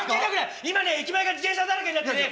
今ね駅前が自転車だらけになってね。